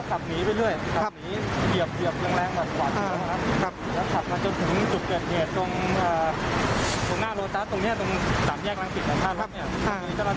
จณ์พี่ทั้งห่วงที่วงตัวเขาตามมาสิก็ใจว่ายิงสกัดยาง